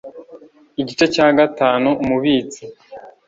IGICE CYA GATANU UMUBITSI